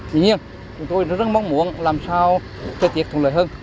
tuy nhiên tôi rất mong muốn làm sao thời tiết thường lợi hơn